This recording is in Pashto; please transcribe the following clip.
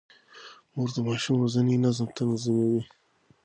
مور د ماشوم ورځنی نظم تنظيموي.